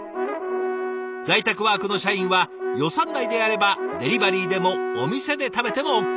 在宅ワークの社員は予算内であればデリバリーでもお店で食べてもＯＫ。